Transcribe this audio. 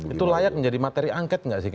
itu layak menjadi materi angket nggak sih